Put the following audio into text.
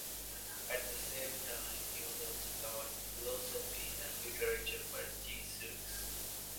At the same time he was also taught philosophy and literature by Jesuits.